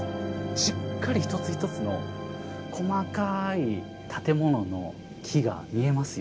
しっかり一つ一つの細かい建物の木が見えますよ。